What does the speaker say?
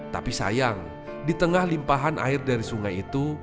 tapi sayang di tengah limpahan air dari sungai itu